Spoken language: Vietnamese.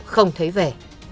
không thấy về